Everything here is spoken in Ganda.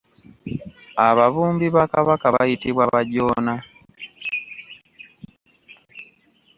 Ababumbi ba kabaka bayitibwa Bajoona.